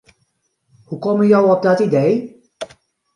Hoe komme jo op dat idee?